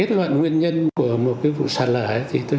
cứu nạn cứu hộ